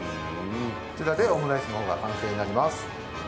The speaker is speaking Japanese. こちらでオムライスのほうが完成になります。